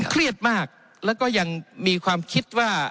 เครียดมากแล้วก็ยังมีความคิดว่า